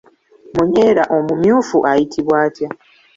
Munyeera omumyufu ayitibwa atya?